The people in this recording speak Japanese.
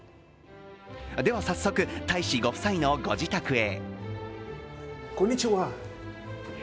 では早速、大使ご夫妻のご自宅へ。